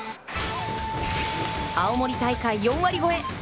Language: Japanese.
青森大会４割超え。